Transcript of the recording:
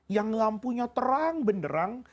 yang lampunya terang beneran